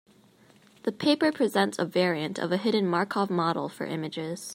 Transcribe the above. The paper presents a variant of a hidden Markov model for images.